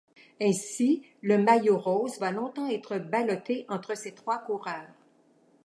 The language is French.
Ainsi, le maillot rose va longtemps être balloté entre ces trois coureurs.